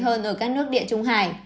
hơn ở các nước địa trung hải